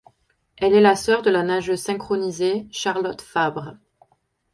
Elle est la sœur de la nageuse synchronisée Charlotte Fabre.